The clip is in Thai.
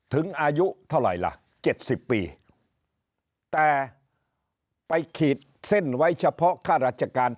ถึงอายุเท่าไรล่ะเจ็ดสิบปีแต่ไปขีดเส้นไว้เฉพาะค่าราชการ